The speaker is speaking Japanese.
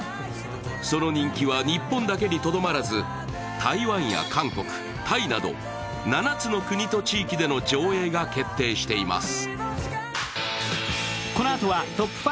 その人気は日本だけにとどまらず台湾や韓国、タイなど７つの国と地域での上映が決定しています。